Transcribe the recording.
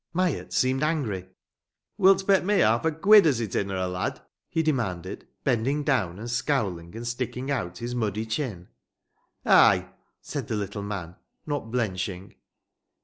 Myatt seemed angry. "Wilt bet me half a quid as it inna' a lad?" he demanded, bending down and scowling and sticking out his muddy chin. "Ay!" said the little man, not blenching.